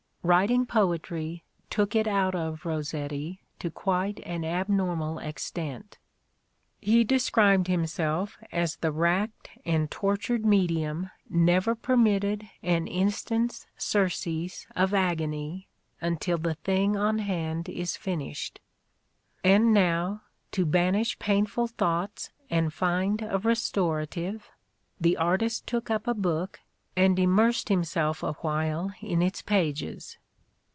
Writing poetry took it out of" Rossetti to quite an ab normal extent. He described himself as the racked and tortured medium never permitted an instant's surcease of agony until the thing on hand is finished." And now, to banish painful thoughts and find a restorative, the artist took up a book and immersed himself awhile in its pages.